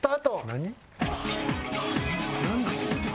何？